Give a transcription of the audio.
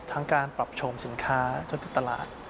ทั้งการปรับชมสินค้าจนกับตลาด